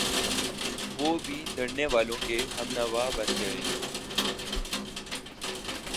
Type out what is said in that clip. وہ بھی دھرنے والوں کے ہمنوا بن گئے۔